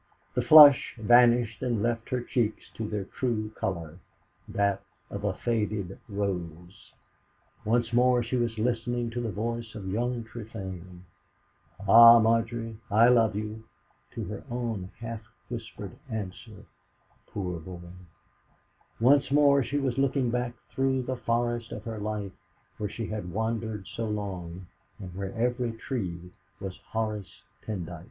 The flush vanished and left her cheeks to their true colour, that of a faded rose. Once more she was listening to the voice of young Trefane, "Ah, Margery, I love you!" to her own half whispered answer, "Poor boy!" Once more she was looking back through that forest of her life where she had wandered so long, and where every tree was Horace Pendyce.